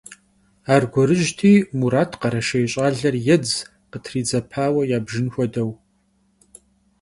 Arguerıjti, Murat khereşşêy ş'aler yêdz, khıtridzepaue yabjjın xuedeu.